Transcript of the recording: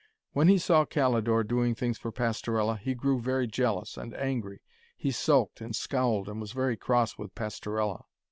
When he saw Calidore doing things for Pastorella he grew very jealous and angry. He sulked and scowled and was very cross with Pastorella.